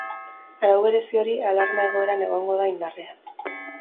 Arau berezi hori alarma-egoeran egongo da indarrean.